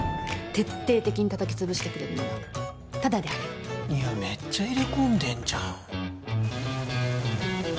徹底的に叩き潰してくれるならタダであげるいやめっちゃ入れ込んでんじゃん